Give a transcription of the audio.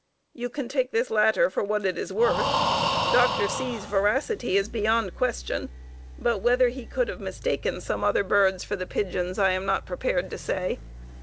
You can take this latter for what it is worth. Dr. C's. veracity is beyond question, but whether he could have mistaken some other birds for the pigeons I am not prepared to say.